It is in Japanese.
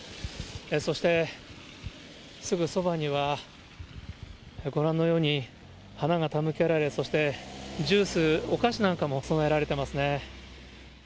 そして、すぐそばにはご覧のように、花が手向けられ、そしてジュース、お菓子なんかも供えられてますね。